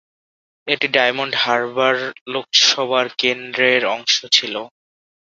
এটি ডায়মন্ড হারবার লোকসভা কেন্দ্রের অংশ ছিল।